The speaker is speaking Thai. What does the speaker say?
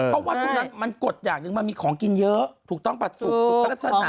เพราะว่าทุกรัฐมันกฏอย่างหนึ่ง